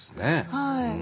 はい。